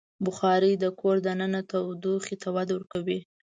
بخاري د کور دننه تودوخې ته وده ورکوي.